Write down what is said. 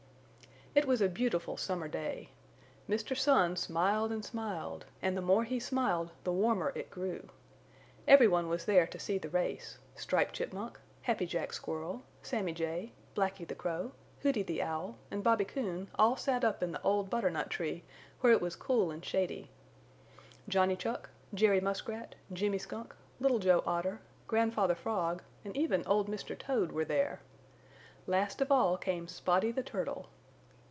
It was a beautiful summer day. Mr. Sun smiled and smiled, and the more he smiled the warmer it grew. Everyone was there to see the race Striped Chipmunk, Happy Jack Squirrel, Sammy Jay, Blacky the Crow, Hooty the Owl and Bobby Coon all sat up in the old butternut tree where it was cool and shady. Johnny Chuck, Jerry Muskrat, Jimmy Skunk, Little Joe Otter, Grandfather Frog and even old Mr. Toad, were there. Last of all came Spotty the Turtle.